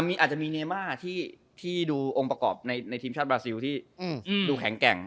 อาจจะมีเนม่าที่ดูองค์ประกอบในทีมชาติบราซิลที่ดูแข็งแกร่ง